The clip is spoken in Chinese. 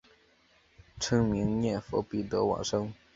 称名念佛必得往生。